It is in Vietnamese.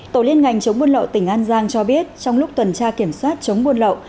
tổ liên ngành chống buôn lậu tỉnh an giang cho biết trong lúc tuần tra kiểm soát chống buôn lậu